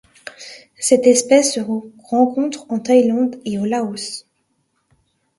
Cette espèce se rencontre en Thaïlande et au Laos.